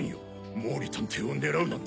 毛利探偵を狙うなんて。